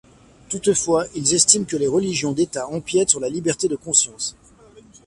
Toutefois, ils estiment que les religions d'État empiètent sur la liberté de conscience.